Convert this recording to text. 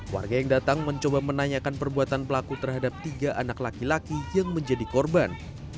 warga yang datang mencoba menanyakan perbuatan pelaku terhadap tiga anak laki laki yang menjadi korban